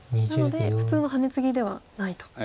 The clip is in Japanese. なので普通のハネツギではないと。